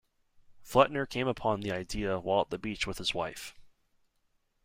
Flettner came upon the idea while at the beach with his wife.